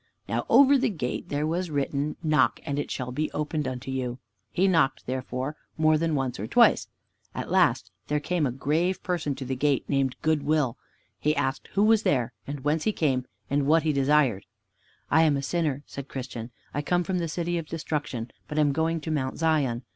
Now over the gate there was written, "Knock, and it shall be opened unto you." He knocked therefore more than once or twice. At last there came a grave person to the gate, named Good will. He asked who was there, and whence he came, and what he desired. "I am a sinner," said Christian; "I come from the City of Destruction, but am going to Mount Zion.